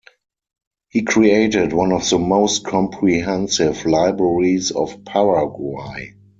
He created one of the most comprehensive libraries of Paraguay.